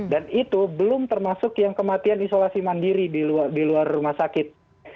dan itu belum termasuk yang kematian isolasi mandiri di luar rumah sakit